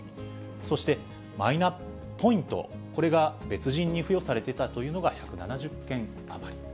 そしてマイナポイント、これが別人に付与されていたというのが１７０件余り。